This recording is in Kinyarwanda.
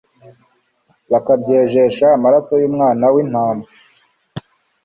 bakabyejesha amaraso y'Umwana w'intama.